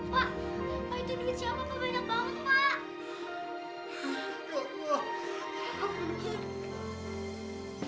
pak itu duit siapa pak banyak banget pak